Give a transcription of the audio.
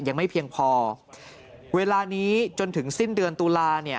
ยังไม่เพียงพอเวลานี้จนถึงสิ้นเดือนตุลาเนี่ย